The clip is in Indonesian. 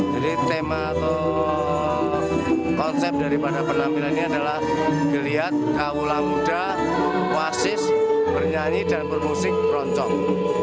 jadi tema atau konsep dari pada penampilan ini adalah geliat kaulah muda oasis bernyanyi dan bermusik keroncong